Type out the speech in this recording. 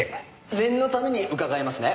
念のために伺いますね。